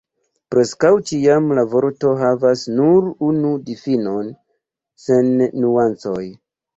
Preskaŭ ĉiam la vorto havas nur unu difinon, sen nuancoj.